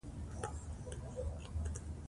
کابل د افغانستان د اقلیم ځانګړتیا ده.